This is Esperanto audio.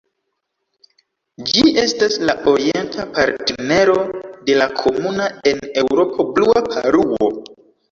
Ĝi estas la orienta partnero de la komuna en Eŭropo Blua paruo.